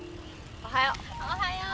おはよう。